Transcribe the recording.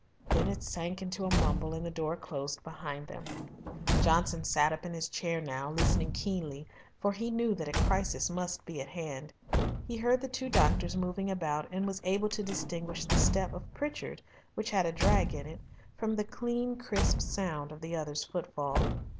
Then it sank into a mumble and the door closed behind them. Johnson sat up in his chair now, listening keenly, for he knew that a crisis must be at hand. He heard the two doctors moving about, and was able to distinguish the step of Pritchard, which had a drag in it, from the clean, crisp sound of the other's footfall.